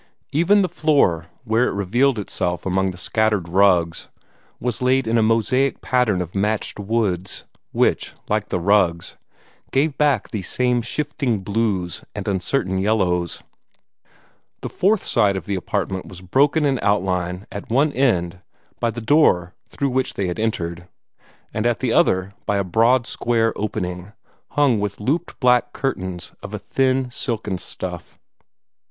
Even the floor, where it revealed itself among the scattered rugs, was laid in a mosaic pattern of matched woods, which, like the rugs, gave back these same shifting blues and uncertain yellows. The fourth side of the apartment was broken in outline at one end by the door through which they had entered, and at the other by a broad, square opening, hung with looped back curtains of a thin silken stuff.